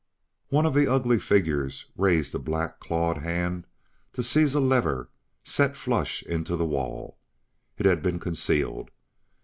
One of the ugly figures raised a black clawed hand to seize a lever let flush into the wall. It had been concealed.